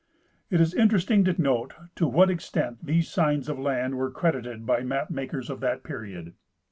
It is interesting to note to what extent these signs of land were credited by map makers of that period.